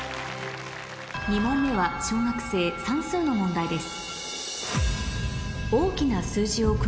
２問目は小学生算数の問題です